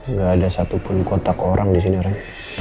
nggak ada satupun kontak orang di sini ren